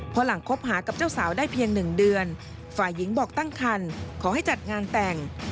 พอหลังคบหากับเจ้าสาวได้เพียง๑เดือนฝ่ายหญิงบอกตั้งคันขอให้จัดงานแต่ง